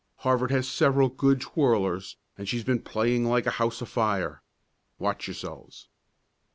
Harvard has several good twirlers, and she's been playing like a house afire. Watch yourselves."